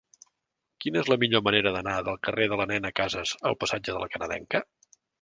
Quina és la millor manera d'anar del carrer de la Nena Casas al passatge de La Canadenca?